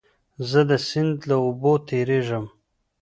زه د سیند له اوبو تېرېږم.